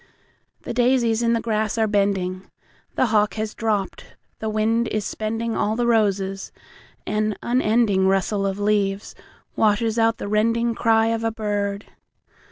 The daisies in the grass are bending, The hawk has dropped, the wind is spendingAll the roses, and unendingRustle of leaves washes out the rendingCry of a bird.